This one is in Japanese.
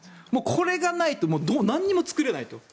これがないと何も作れないと。